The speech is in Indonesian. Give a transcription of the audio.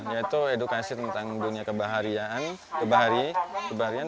yaitu edukasi tentang dunia kebaharian kebaharian